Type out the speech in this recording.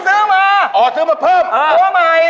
เสื้อมามาอ๋อเชื่อมาเพิ่มเชื่อใหม่